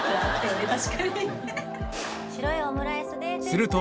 すると